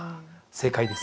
正解です。